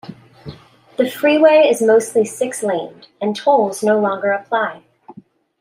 The freeway is mostly six-laned and tolls no longer apply.